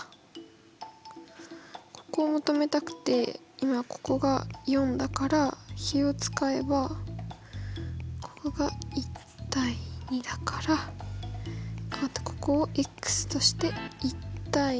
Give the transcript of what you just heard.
ここを求めたくて今ここが４だから比を使えばここが１：２だからここをとして１：２。